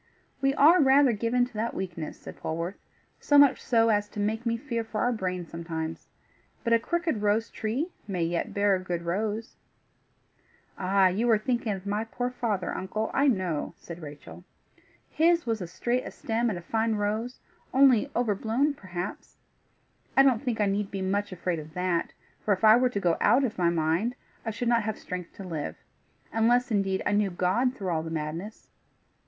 "We are rather given to that weakness," said Polwarth, "so much so as to make me fear for our brains sometimes. But a crooked rose tree may yet bear a good rose." "Ah! you are thinking of my poor father, uncle, I know," said Rachel. "His was a straight stem and a fine rose, only overblown, perhaps. I don't think I need be much afraid of that, for if I were to go out of my mind, I should not have strength to live unless indeed I knew God through all the madness.